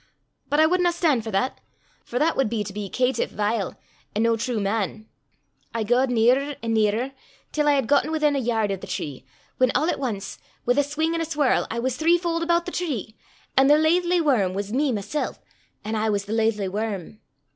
But I wadna stan' for that, for that wad be to be caitiff vile, an' no true man: I gaed nearer an' nearer, till I had gotten within a yaird o' the tree, whan a' at ance, wi' a swing an' a swirl, I was three fauld aboot the tree, an' the laithly worm was me mesel'; an' I was the laithly worm.